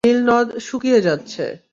নীলনদ শুকিয়ে যাচ্ছে।